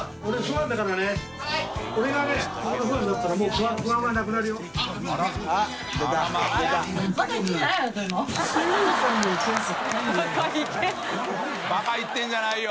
麓言ってんじゃないよ！